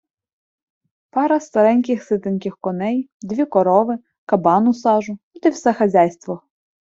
Пара стареньких ситеньких коней, дві корови, кабан у сажу - от і все хазяйство.